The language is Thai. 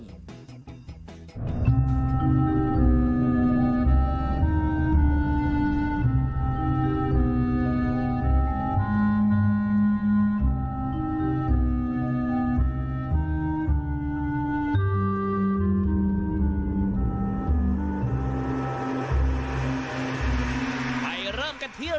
มีความยาวถึง๒๙เมตรมีขนาดเกือบ๓คนโอเทียวนะ